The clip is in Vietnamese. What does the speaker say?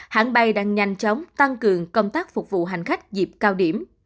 hãng bay đang nhanh chóng tăng cường công tác phục vụ hành khách dịp cao điểm